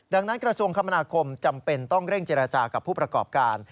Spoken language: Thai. ดังนั้นกระทรวงคมนาคมจำเป็นต้องเร่งเจรจากับผู้ประกอบการ